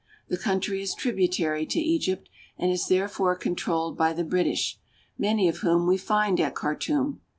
The country is tributary to Egypt, and is therefore controlled by the British, many of whom we find at Khartum.